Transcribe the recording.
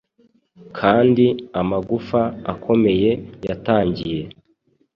Kandi Amagufa akomeye yatangiye